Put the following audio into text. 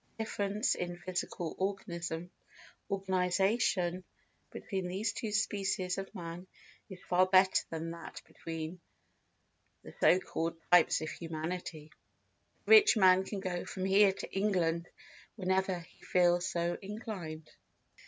The difference in physical organisation between these two species of man is far greater than that between the so called types of humanity. The rich man can go from here to England whenever he feels so inclined.